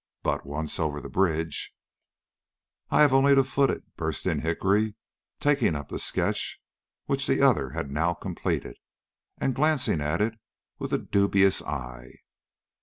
But, once over the bridge " "I have only to foot it," burst in Hickory, taking up the sketch which the other had now completed, and glancing at it with a dubious eye.